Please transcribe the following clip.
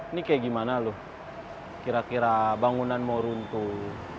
ini kayak gimana loh kira kira bangunan mau runtuh